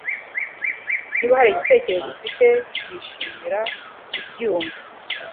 Niba hari igitekerezo ufite nzishimira kubyumva